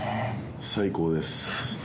最高です。